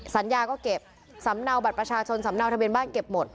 สัญญาก็เก็บสำเนาบัตรประชาชนสำเนาทะเบียนบ้านเก็บหมด